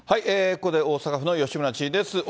ここで大阪府の吉村知事です。